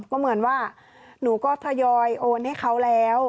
ก็เหมือนว่าหนูก็ทยอยโอนให้เขาแล้ว